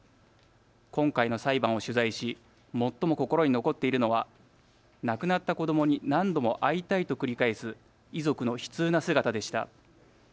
今回の裁判を取材し最も心に残っているのは亡くなった子どもに何度も会いたいと繰り返す遺族の悲痛な姿でした。